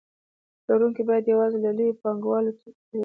پلورونکي باید یوازې له لویو پانګوالو توکي پېرلی